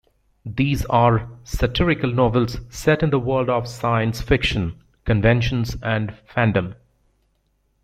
These are satirical novels set in the world of science fiction conventions and fandom.